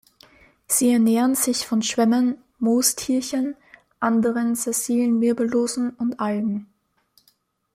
Sie ernähren sich von Schwämmen, Moostierchen, anderen sessilen Wirbellosen und Algen.